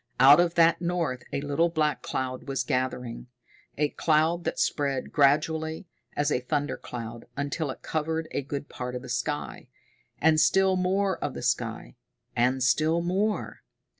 Out of that north a little black cloud was gathering. A cloud that spread gradually, as a thunder cloud, until it covered a good part of the sky. And still more of the sky, and still more.